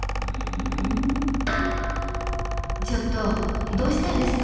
ちょっとどうしたんですか？